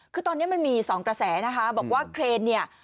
คือตอนนี้มันมี๒กระแสนะคะบอกว่าเครนเนี่ย